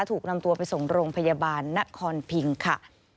ถูกนำตัวไปส่งโรงพยาบาลนครพิงค่ะ